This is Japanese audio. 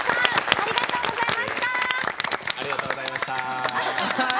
ありがとうございます！